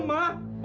mama diam ma